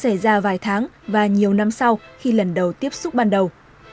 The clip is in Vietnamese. phát bệnh đầu tiên có thể xảy ra vài tháng và nhiều năm sau khi lần đầu tiếp xúc ban đầu